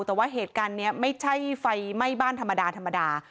แต่ว่าเหตุการณ์นี้ไม่ใช่ไฟไหม้บ้านธรรมดาธรรมดา